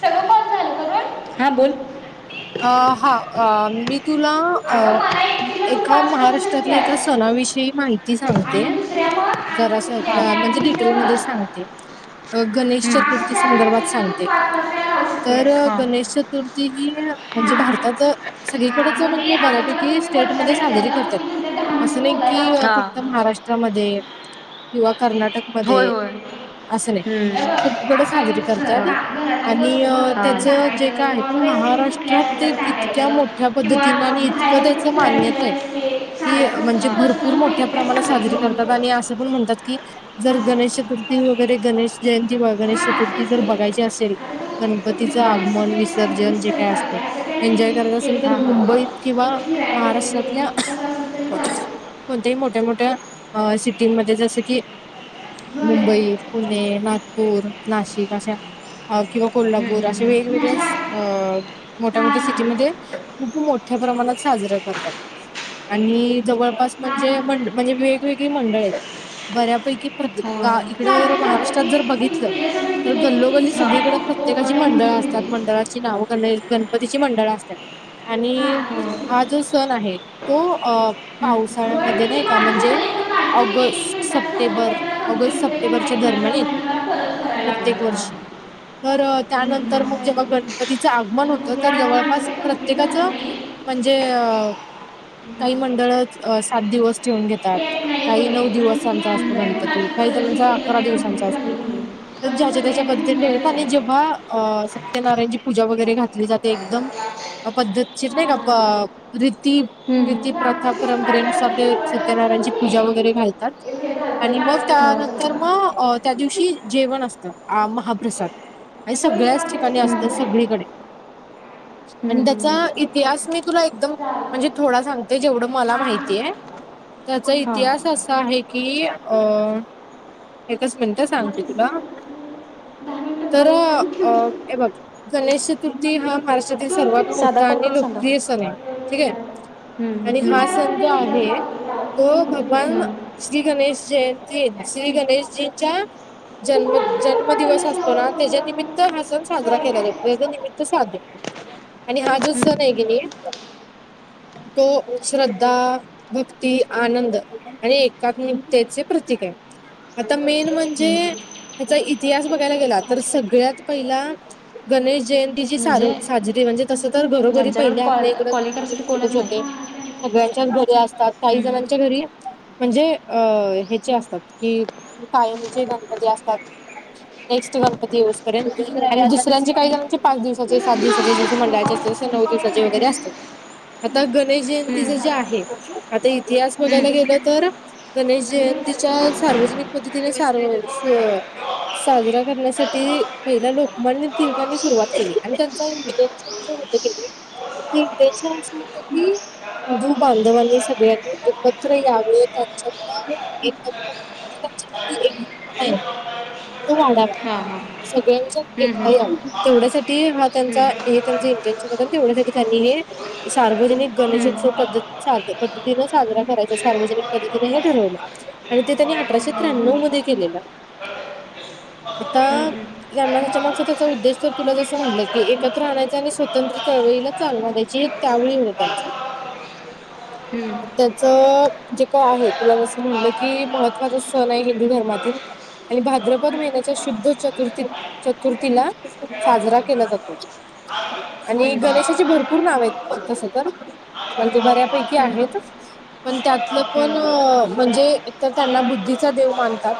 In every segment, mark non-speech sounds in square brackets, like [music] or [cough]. सगळं कॉल झाले करून? हा बोल. अ हा, मी तुला अ अगं मला एकटीला तू एका पाच करू महाराष्ट्रातल्या एका शकतेस सणाविषयी माहिती आणि सांगते. दुसऱ्या मग आणखी जरासं मी ना त्याने म्हणजे अगदीच डिटेल मध्ये नव्हं. सांगते. अ गणेश हम्म. अशा चतुर्थी चार संदर्भात व्यक्तींना तू सांगते. पाच पाच वेळा लावू तर शकतेस हां गणेश चतुर्थी ही म्हणजे हा भारतात, हा सगळीकडच मग ते म्हणजे आता मला बऱ्यापैकी तुम्ही वर्षाला स्टेटमध्ये साजरी विचारलं करत्यात. मग मी तुमच्या दहा असं मिनिटं नाही की बोलायला फक्त हां महाराष्ट्रामध्ये, किंवा कर्नाटक - होय होय. असं नाही, हे हम्म. बघ, सगळीकड आपण साजरी घ- करतात हा, घरातली आणि वस्तू अ बनवलेलं त्याचं जे सांगायचं काय आहे, किंवा पण रेसिपी महाराष्ट्र - कुठली ष्ट्रात असेल ते तर इतक्या सांगायचं मोठ्या किंवा पद्धतीने आणि इतकं बाहेर त्याच कुठे फिरायला मान्यता आहे. गेलं ते कि सांगायचं फक्त म्हणजे हा. भरपूर मोठ्या माहिती काय प्रमाणात सांगायची साजरी नाही करतात फक्त. आणि असे पण म्हणतात की - जर गणेश असं चतुर्थी वगैरे गणेश जयंती वगैरे हा चतुर्थी तेच जर की बघायची असेल - आता तू कुठली गणपतीचं हा. पण आगमन, रेसिपी विसर्जन - सांगितलीस जे तरी काय असेल - चालते असं ते काही एन्जॉय नाही करायचं की असेल तेच तर हा. बनवावं. मुंबईत किंवा कुठं फिरायला गेलेली महाराष्ट्रातल्या - असं असं तरी चालतं कोणत्याही मोठ्या-मोठ्या - अ सीटिंमध्ये जसं की बरं मुंबई, पुणे, नागपूर, नाशिक. अशा किंवा हम्म, कोल्हापूर हम्म, अशे हम्म. नाही वेगवेगळे्याच लाग- अ - हा मोठ्या-मोठ्या हा सिटीमध्ये खूप मोठ्या प्रमाणात साजरा करतात आणि - जवळपास हा म्हणजे हा मं म्हणजे वेगवेगळी मंडळ आहेत बऱ्यापैकी हो प्रा [unintelligible] इकडं जर चालते चालते महाराष्ट्रात ते जर ती- बघितलं - त्याच्यासाठी तर दिले की गल्लोगल्ली तीनशे हा. सगळीकडें काय खूप ओपन प्रत्येकाची आहे मंडळ म्हणून दिले असतात. मंडळाची नावं गणेश- गणपतीची मंडळं असतात हा आणि- हो. तेच हा की. जो सण आहे तो अ हम्म. वर पावसाळ्यामध्ये मी ते नाही का माझं म्हणजे- झाले पण माझं ते एक एक ऑगस्ट, मिनिटात झालं ते सप्टेंबर आपल्याला कंप्लीट होते का ऑगस्ट-सप्टेंबरच्या नाही माझ्या दरम्यान येतो. मला परत करायला लागणार प्रत्येक हा. वर्षी. तर हम्म, त्यानंतर हम्म. असं मग आहे जेव्हा ते. गणपतीचं आगमन माझं होत- भुगे तर अजून आमचं जवळपास काही कंप्लीट प्रत्येकाच झालं नाही म्हणजे- काही मंडळ सात दिवस ठेवून घेतात. येत नाही काही होय नऊ आणि तिने दिवसांचा अजून असतो काही गणपती, कुणाची काही चौकशी जणांचा केलं अकरा नाही कंप्लीट दिवसांचा झाली असतो. म्हणून तर अजून ज्याच्या त्याच्या सगळ्यांना पद्धतीने ठेवतात म्हणण्यातच आणि जेव्हा आहे अ सत्यनारायणची पूजा वगैरे घाल- ली जाते एकदम पद्धतशीर नाही का प हा रीती- हम्म. रिती, प्रथा, परंपरेनुसार ते सत्यनारायणची पूजा वगैरे घालतात. आणि मग त्यानंतर मग त्या दिवशी जेवण असतं महाप्रसाद. आणि सगळ्याच ठिकाणी असतय सगळीकडे. हम्म, आणि हम्म. हम्म. त्याचा इतिहास मी तुला एकदम म्हणजे थोडा सांगते. जेवढं मला माहितीय त्याचा हा इतिहास असा आहे की अ एकच मिनिटं सांगते तुला तर अ हे बघ गणेश चतुर्थी हा पार सर्वात साधा मोठा कॉल आणि करून सांगा लोकप्रिय सण हाय, ठीके. हम्म, हम्म, आणि हम्म. हा सण जो आहे हम्म, तो [unintelligible] श्री गणेश जयंतीय ना श्री गणेशजींच्या जन्म जन्मद दिवस असतो ना, त्याच्या निमित्त हा सण साजरा केला जातो. त्याच्या निमित त साधून आणि हा जो सण आहे की नाही तो श्रद्धा भक्ती, आनंद आणि एकात्मिकतेचे प्रतीक आहे. आता मेन म्हणजे हम्म. त्याचा इतिहास बघायला गेला, तर सगळ्यात पहिला गणेश जयंती ती जी साज म्हणजे साजरी म्हणजे तस तर घरोघरी ज्यांच्याकडे पहिले कॉल आपल्याइकडे कॉलिंग गणपती करायसाठी कोणच बसतच नाही होते. सगळ्यांच्याच घरी असतात. काही हम्म. जणांच्या घरी म्हणजे अ ह्याचे असतात की, कायम [unintelligible] कधी असतात. नेक्स्ट गणपती येऊस पर्यंत आणि दुसऱ्यांची काही पाच दिवसाचे, हम्म. सात दिवसाचे जसं मंडळाचे असते, तसे नऊ दिवसाचे वगैरे असतात. आता गणेश जयंतीच जे आहे, आता इतिहास बघायला गेलं हम्म. तर गणेश जयंतीच्या सार्वजनिक पद्धतीने सार साजरा करण्यासाठी पहिला लोकमान्य टिळकांनी सुरुवात आणि त्यांच इंटेनशन जे होत की ने, ते इंटेनशन असं होत की हिंदू बांधवांनी सगळ्यांनी एकत्र यावे, त्यांच्यात एकत्र [unintelligible] तो वाढावा, हां हां सगळ्यांच्यात हम्म, एकता हम्म. यावी तेवढ्यासाठी ठी हा त्यांचा हम्म. हे त्यांच इंटेनशन होतं आणि तेवढ्यासाठी त्यांनी हे सार्वजनिक हम्म. गणेशोत्सव पद्धती सा पद्धतीन साजरा करायचा, सार्वजनिक पद्धतीने हे ठरवलं. आणि ते त्यांनी अठराशे हम्म, त्र्याण्णव मध्ये हम्म. केलेलं. हम्म, हम्म. हम्म. आता हम्म, हम्म. हम्म. हम्म. त्यांना त्याच्या मागचा त्याचा उद्देश तर तुला ज म्हटलं की, एकत्र आणायचं आणि स्वतंत्र चळवळीला चालना दयायची त्यावेळी होत. हम्म. त्याच जे काय आहे तुला जसं म्हणलं की, महत्त्वाचा सण आहे हिंदू धर्मातील आणि भाद्रपद महिन्याच्या शुद्ध चतुर्थी चतुर्थीला साजरा केला जातो आणि गणेशाचे भरपूर नाव आहेत तस तर म्हणजे बऱ्यापैकी आहेत. पण त्यातलं पण म्हणजे एक तर त्यांना बुद्धीचा देव मानतात.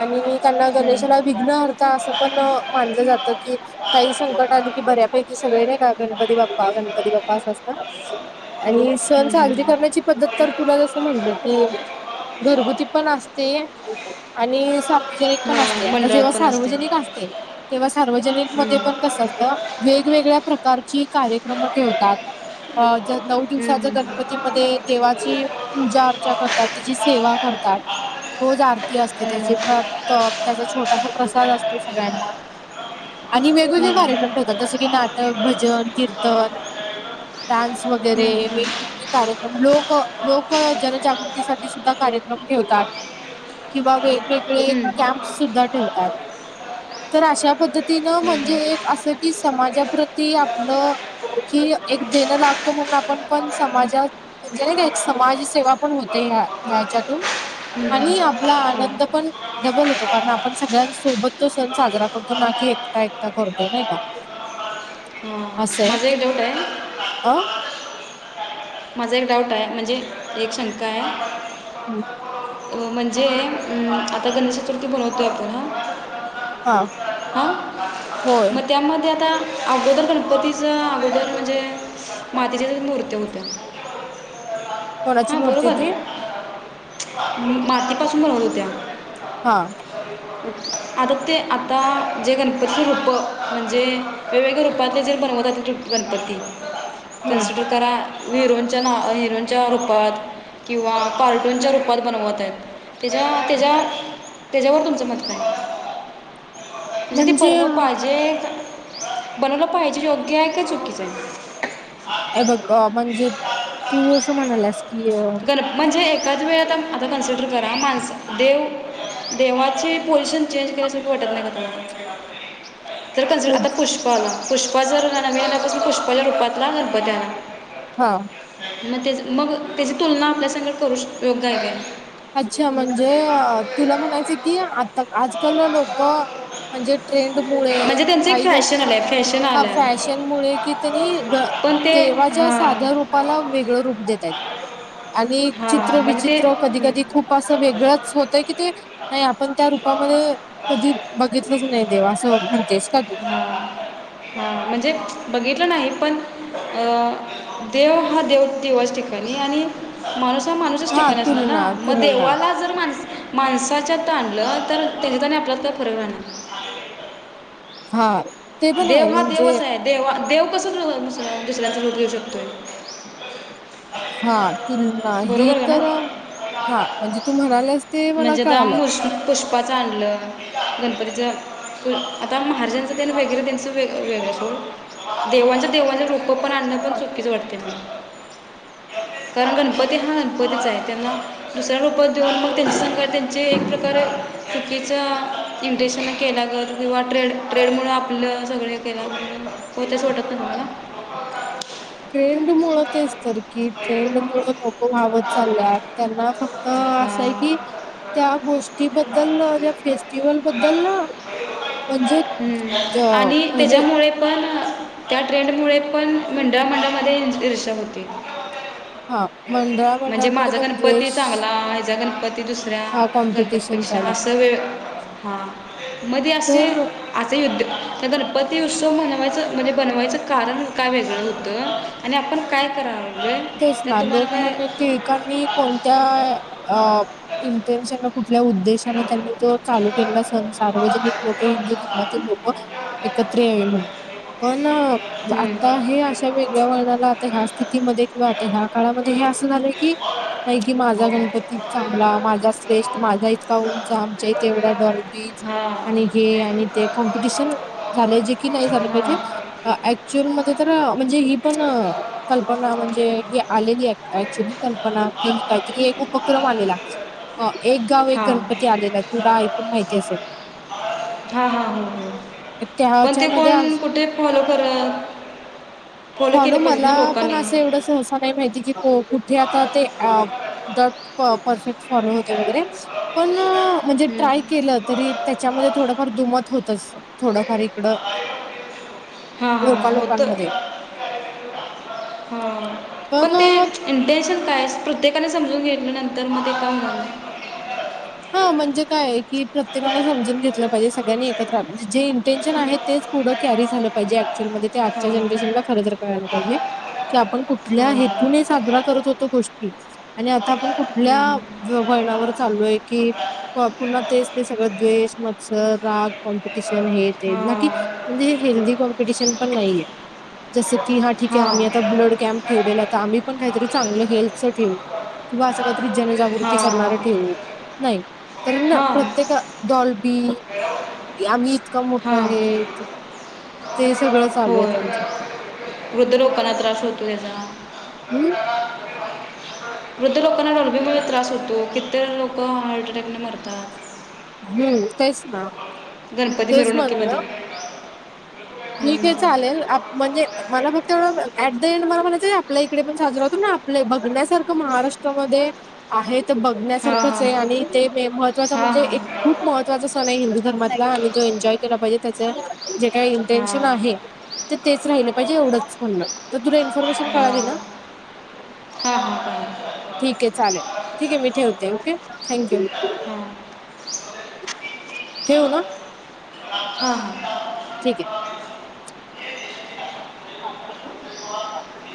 आणि त्यांना हम्म. गणेशाला विघ्नहर्ता असं पण मानलं जातं की काही संकट आले की, बऱ्यापैकी सगळे नाही का, गणपती बाप्पा गणपती बाप्पा असं असत. आणि सण हम्म, हम्म. साजरी करण्याची पद्धत, तर तुला जसं म्हटलं की घरगुती पण असते आणि सार्वजनिक हो पण असते, पण अस मंडळात जेव्हा असते हम्म. सार्वजनिक असते, तेव्हा सार्वजनिक मध्ये सगळं, वेगवेगळ्या प्रकारची कार्यक्रम ठेवतात अं जे नऊ हम्म, दिवसाच्या हम्म, गणपतीमध्ये देवाची पूजा, अर्चा करतात, त्याची सेवा करतात रोज आरती असते, हम्म. हम्म. त्याची परत त्याचा छोटासा प्रसाद असतो सगळ्यांना. आणि वेगवेगळे कार्यक्रम ठेवतात जस की नाटक, भजन, कीर्तन डान्स वगैरे, हम्म, हम्म, हम्म. वेगवेगळे कार्यक्रम लोक -लोक जन जागृतीसाठी सुद्धा कार्यक्रम ठेवतात. किंवा वेगवेगळे कॅम्प सुद्धा ठेवतात. तर अशा पद्धतीनं हम्म, हम्म, म्हणजे एक असं की समाजाप्रती आपलं कि एक देणं लागतो म्हणून आपण पण समाजात म्हणजे नाही का एक समाज सेेवा पण होते ह्या ह्याच्यातून हम्म. हां, आणि आपला हां. आनंद पण डबल होतो, कारण आपण सगळ्यांसोबत तो सण साजरा करतो ना की एकटं एक टा करतो नाही का? अस ये, माझा एक डाऊट आहे अं? माझा एक डाऊट हाय, म्हणजे एक शंका हाय म्हणजे आता गणेशचतुर्थी मनवतोय आपण हां हा हां, होय म त्यामध्ये आता अगोदर गणपतीचं अगोदर म्हणजे मातीच्याच मूर्त्या होत्या, कोणाची हां मूर्ती बरोबर? होती मातीपासून बनवत होत्या. हां. आता ते आता जे गणपतीचे रूपं, म्हणजे वेगवेगळ्या रूपातले जे बनवतात गणपती, हम्म कसं बी करा हिरोंच्या नाव, हिरोंच्या रूपात किंवा कार्टूनच्या रूपात बनवत आहेत तेच्या तेच्या तेच्यावर तुमचं मत काय? म्हणजे ते बनवलं पाहिजे, बनवलं पाहिजे योग्य हाय का चुकीचं हाय? हे बघ म्हणजे तू जसं म्हणाल्यास की गण म्हणजे एखादया वेळी आता- आता कन्सिडर करा, माणस देव देवाचे पोझिशन चेंज केल्या ठीक वाटत नाही का तुला? [inaudible] तर कन्सिडर आता पोच पुष्पा आला, पुष्पा च नवीन गाण आला तस पुष्पाच्या रूपातला गणपती आला हां. म त्याच मग त्याची तुलना आपल्या संग करू शकतोय योग्य हाय काय? अच्छा म्हणजे तुला म्हणायचं की, आता आजकाल लोक म्हणजे ट्रेंडमुळे, म्हणजे त्यांचं एक काही फॅशन गोष्टी आलं आहे फॅशन हा आलं आहे फॅशन मुळे कि त्यांनी पण ते देवाच्या हां साध्या रूप रुपाला वेगळं रूप देतायेत, आणि चित्र हां म्हणजे ते विचित्र कधी हं, कधी खूप असं वेगळंच होतय की ते नाही आपण त्या रूपामध्ये कधी बघितलंच नाही देव असं म्हणतेस का तु? हा म्हणजे बघितलं नाही, पण अ देव हा देव देवचं ठिक तेनी आणि माणूस हा माणूसच हा ठिकाणी असणार ना तुलना मग तुलना देवाला जर माणस माणसाच्यात आणल, तर त्याच्यात आणि आपल्यात काय फरक राहणार. हा, ते पण आहे देव हा म्हणजे देवच आहे देवा देव कसं दुसऱ्यांच रूप घेऊ शकतोय? हा तुलना ही बरोबर का ना तर हा म्हणजे तू म्हणाल्यास ते मला कळालं. पुष्पांच आणलं गणपतीचं आता महाराजांचां तेण वेगळं महाराजांचं वेग अ वेगळं देवांचं देवांचं वेगळं हो पण आणलं तर चुकीच वाटतं ते [inaudible] कारण गणपती हा गणपतीच आहे त्यांना दुसऱ्या रूपात देऊन मग त्यांची संग त्यांचे एक प्रकारे. चुकीचं इंट्रेशन केल्या गत किंवा ट्रेड ट्रेडमुळं आप. ण सगळे केला म्हण होतेय असं वाटत नाही तुम्हाला. ट्रेंड मुळच तेच तर की ट्रेंड मुळं लोकं वहावत चालल्यात. त्यांना फक्त असं आहे की. हां त्या गोष्टीबद्दल व फेस्टिवल बद्दल म्हणजे. हम्म. तर आणि पहिले. त्याच्यामुळे पण त्या ट्रेंड मुळे पण मंडळा मंडळामध्ये इन ईर्शा होते हां, मंडळा म्हणजे मंडळामध्ये माझा पण गणपती द्वेष चांगला हेचा गणपती दुसऱ्या हा गणपती. कॉम्पिटिशन पेक्षा चालू असं होतं. वेळ हा मध्ये असे तर आता युद्ध. त्या गणपती उत्सव म्हनवायचं म्हणजे बनवायचं कारण काय वेगळं होतं आणि आपण काय करालोय. तेच ना लोकमान्य टिळकांनी कोणत्या अ. इंटेनशन ने कुठल्या उद्देशाने त्यांनी तो हां चालू केलेला सन सार्वजनिक लोक. हिंदू धर्मातील लोक एकत्र यावे म्हणून पण आता हे असं. या वेगळ्या वळनाला आता ह्या स्थितीमध्ये किंवा आता ह्या काळामध्ये हे असं झालंय की. नाही की माझा गणपतीच चांगला माझा श्रेष्ठ माझा इतका उंच आमच्या इथे एवढ्या डॉलबीच. आणि हे आणि ते कॉम्पिटिशन. झालं जे की नाही झालं पाहिजे ऍक्च्युअल मध्ये तर. म्हणजे ही पण कल्पना म्हणजे ही आलेली ऍक्च्युली कल्पना पण की काहीतरी एक उपक्रम आलेला अ एक गाव एक हां गणपती आलेला. तुला ऐकून माहिती असेल. हा हा हा तर पण ते त्याच्यामध्ये कोण कुठे फॉलो करल. फॉलो मला पण असं एवढंच. सहसा नाही माहिती की तो कुठे आता ते अ. दत प परफेक्ट फॉलो होतय वगैरे पण म्हणजे ट्राय हम्म. केलं तरी. त्याच्यामध्ये थोडंफार दुमत होतच थोडंफार एक. इकड लोका लोकांमध्ये. हा पण ते. इंटेन्शन काय असते प्रत्येकाने समजून घेतलं नंतर मध्ये काय म्हण हा म्हणजे काय आहे की प्रत्येकानं समजून घेतलं पाहिजे सगळ्यांनी एकत्र म्हणजे जे इंटेन्शन आहेत. तेच पुढं कॅरी झालं पाहिजे आक क्चूली मध्ये आजच्या हां जनरेशनला खरं तर कळाल पाहिजे की आपण कुठल्या हे हां तुने साजरा करत होतो गोष्टी आणि आता आपण कुठल्या हम्म, अ वळणावर. चाललो आहे की पुन्हा तेच ते सगळ द्वेष मत्सर राग कॉम्पिटिशन हे ते नाकी हां म्हणजे हेल्दी कॉम्प्युटीशन पण नाही आहे जस कि ह्या ठीक आहे हां आम्ही आता ब्लड कॅम्प ठेवलेला आहे आम्ही पण काहीतरी चांगलं हेल्थचं ठेवू. किंवा असं काहीतरी जनजागृती हां करणारं ठेवू नाही तर ना हां प्रत्येक. डॉल्बी की आम्ही इतका मोठा हां हे ते सगळं चालू आहे होय त्यांचं. वृद्ध लोकांना त्रास होतो ह्याचा. हम्म वृद्ध लोकांना डॉल्बीमुळे त्रास होतो. किततरी लोक हार्ट अटॅकने मरतात. हं तेच ना, गणपती तेच म्हणल. मिरवणुकीमध्ये ठीक आहे हम्म, चालेल. आप म्हणजे मला फक्त एवढं ऍट द एंड मला म्हणायचं आपल्या इकडे पण साजरा होतो ना, आपल बघण्यासारखं महाराष्ट्रामध्ये आहेत बघ हां हां ण्यासारखंचे आणि ते म महत्त्वाच हां म्हणजे एक हां खूप महत्वाचं महत्त्वाचा सण आहे हिंदू धर्मातला. आणि तो एन्जॉय केला पाहिजे. त्याच जे काही हां इंटेन्शन आहे, ते तेच राहिल पाहिजे. एवढंच म्हणण. तर तुला इन्फॉर्मेशन कळाली ना? हा हा काळाली. ठीके चालेल. ठीके मी ठेवते. ओके? Thank you. हा. ठेवु ना? हा हा. ठीके. [inaudible]